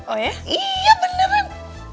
oh ya iya beneran